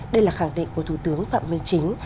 đây là khẳng định của thủ tướng phạm minh chính